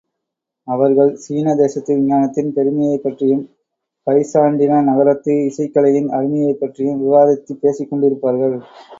அவர்கள், சீனதேசத்து விஞ்ஞானத்தின் பெருமையைப்பற்றியும் பைசான்டின நகரத்து இசைக்கலையின் அருமையைப் பற்றியும் விவாதித்துப் பேசிக் கொண்டிருப்பார்கள்.